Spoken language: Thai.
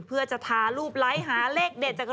เพื่อจะทารูปไลค์หาเลขเด็ดจาก